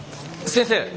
先生！